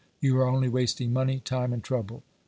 You are only wasting money, time, and trouble.